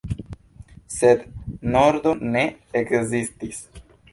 Sed nordo ne ekzistis.